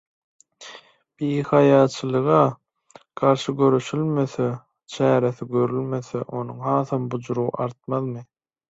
Bihaýaçylyga garşy göreşilmese, çäresi görülmese onuň hasam bujrugy artmazmy?